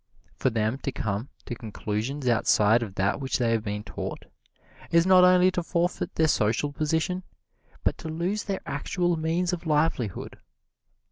For them to come to conclusions outside of that which they have been taught, is not only to forfeit their social position, but to lose their actual means of livelihood.